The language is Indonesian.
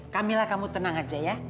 kamilah kamu tenang aja ya